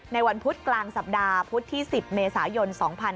ในวันพภศตรป๑๐เมษายน๒๕๖๒